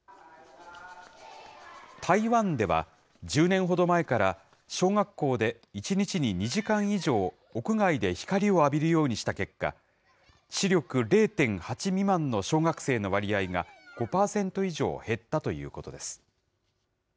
台湾では、１０年ほど前から、小学校で１日に２時間以上、屋外で光を浴びるようにした結果、視力０．８未満の小学生の割合が、５％以上減ったということです。